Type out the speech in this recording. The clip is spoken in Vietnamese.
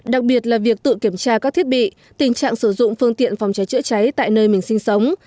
đặc biệt là việc tự kiểm tra các thiết bị tình trạng sử dụng phương tiện phòng cháy chữa cháy tại nơi mình sinh sống